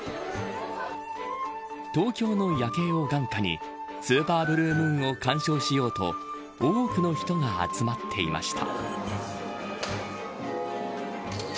東京の夜景を眼下にスーパーブルームーンを鑑賞しようと多くの人が集まっていました。